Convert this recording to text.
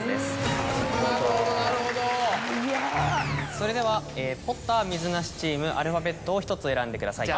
それではｐｏｔｔｅｒ・みずなしチームアルファベットを１つ選んでください。